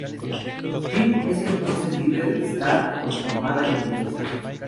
Jim es entonces libre de estar con su amada inglesa.